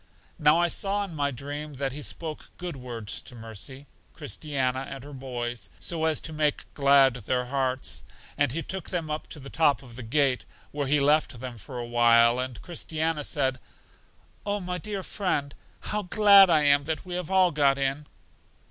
Now I saw in my dream that he spoke good words to Mercy, Christiana, and her boys, so as to make glad their hearts. And He took them up to the top of the gate, where He left them for a while, and Christiana said: Oh my dear friend, how glad am I that we have all got in!